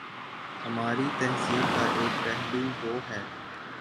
ہماری تہذیب کا ایک پہلو وہ ہے۔